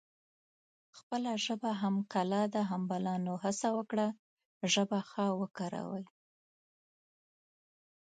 خپله ژبه هم کلا ده هم بلا نو هسه وکړی ژبه ښه وکاروي